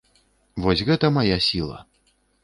Вось гэта мая сіла.